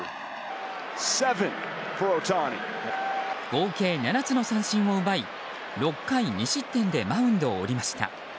合計７つの三振を奪い６回２失点でマウンドを降りました。